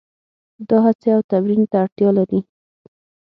دا هڅې او تمرین ته اړتیا لري.